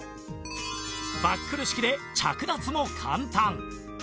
バックル式で着脱も簡単！